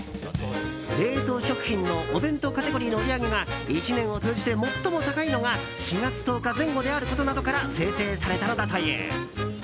冷凍食品のお弁当カテゴリーの売り上げが１年を通じて最も高いのが４月１０日前後であることなどから制定されたのだという。